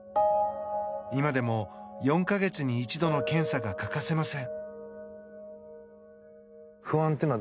今でも４か月に一度の検査が欠かせません。